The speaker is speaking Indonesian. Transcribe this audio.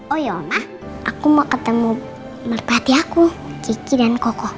oh iya oma aku mau ketemu berpati aku kiki dan koko